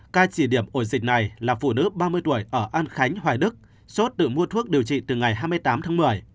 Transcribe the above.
ca chỉ điểm ổ dịch này là phụ nữ ba mươi tuổi ở an khánh hoài đức sốt tự mua thuốc điều trị từ ngày hai mươi tám tháng một mươi